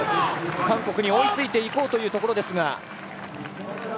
韓国に追いついていこうというところですが。